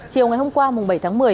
chiều ngày hôm qua bảy tháng một mươi